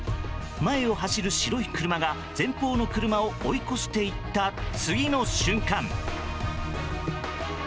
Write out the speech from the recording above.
前を走る白い車が前方の車を追い越していった次の瞬間。